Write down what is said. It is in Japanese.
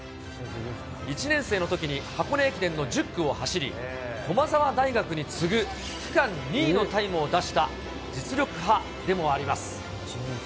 １年生のときに箱根駅伝の１０区を走り、駒澤大学に次ぐ区間２位のタイムを出した実力派でもあります。